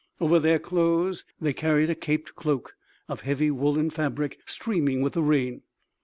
Over their clothes they carried a caped cloak of heavy woolen fabric streaming with the rain.